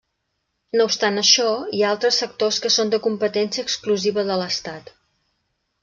No obstant això, hi ha altres sectors que són de competència exclusiva de l'Estat.